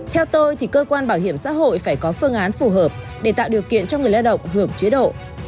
theo tôi thì cơ quan bảo hiểm xã hội phải có phương án phù hợp để tạo điều kiện cho người lao động hưởng chế độ